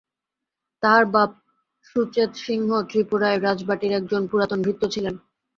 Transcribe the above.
তাঁহার বাপ সুচেতসিংহ ত্রিপুরায় রাজবাটীর একজন পুরাতন ভৃত্য ছিলেন।